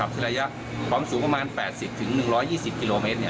คือระยะความสูงประมาณ๘๐๑๒๐กิโลเมตร